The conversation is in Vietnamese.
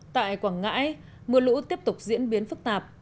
tại quảng ngãi mưa lũ tiếp tục diễn biến phức tạp